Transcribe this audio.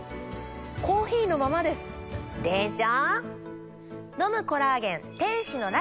コーヒーのままです。でしょ？